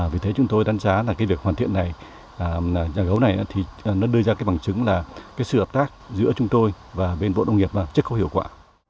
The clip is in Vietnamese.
vì thế chúng tôi đánh giá việc hoàn thiện nhà gấu này đưa ra bằng chứng sự hợp tác giữa chúng tôi và bộ đồng nghiệp chất khẩu hiệu quả